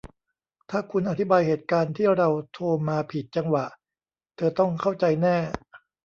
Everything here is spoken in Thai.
ถ้าคุณอธิบายเหตุการณ์ที่เราโทรมาผิดจังหวะ เธอต้องเข้าใจแน่